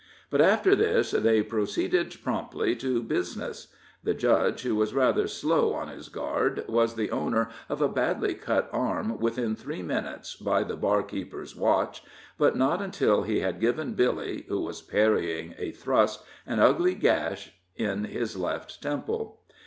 But, after this, they proceeded promptly to business; the Judge, who was rather slow on his guard, was the owner of a badly cut arm within three minutes by the bar keeper's watch, but not until he had given Billy, who was parrying a thrust, an ugly gash in his left temple.